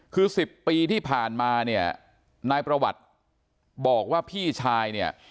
คือ๑๐ปีที่ผ่านมาเนี่ยนายประวัติบอกว่าพี่ชายเนี่ย